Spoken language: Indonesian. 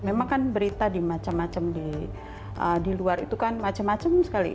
memang kan berita di macam macam di luar itu kan macam macam sekali